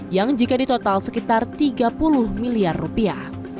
yang jika ditotal sekitar tiga puluh miliar rupiah